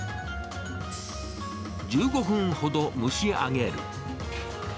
１５分ほど蒸し上げる。